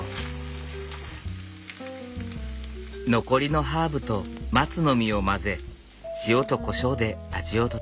残りのハーブと松の実を混ぜ塩とこしょうで味を調える。